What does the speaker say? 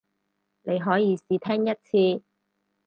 你可以試聽一次